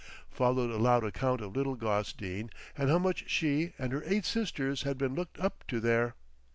Followed a loud account of Little Gossdean and how much she and her eight sisters had been looked up to there.